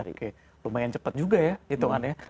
hmm lumayan cepet juga ya hitungannya